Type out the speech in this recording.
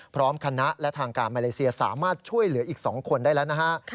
พร้อมคณะและทางการมาเลเซียสามารถช่วยเหลืออีก๒คนได้แล้วนะฮะ